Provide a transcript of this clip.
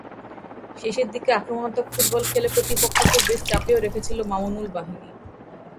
শেষের দিকে আক্রমণাত্মক ফুটবল খেলে প্রতিপক্ষকে বেশ চাপেও রেখেছিল মামুনুল বাহিনী।